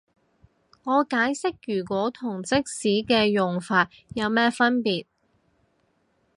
我解釋如果同即使嘅用法有咩分別